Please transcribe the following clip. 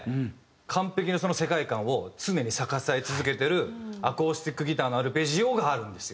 完璧にその世界観を常に支え続けてるアコースティックギターのアルペジオがあるんですよ。